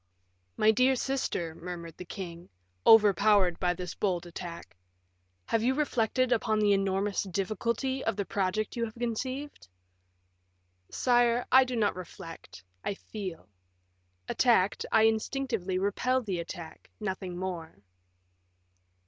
"My dear sister," murmured the king, overpowered by this bold attack, "have you reflected upon the enormous difficulty of the project you have conceived?" "Sire, I do not reflect, I feel. Attacked, I instinctively repel the attack, nothing more."